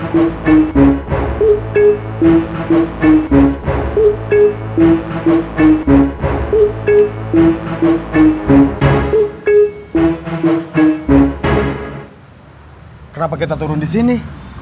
kenapa kita turun disini